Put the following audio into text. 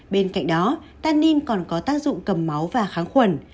bên cạnh đó tanin còn có tác dụng cầm máu và kháng khuẩn